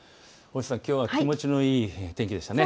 きょうは気持ちのいい天気でしたね。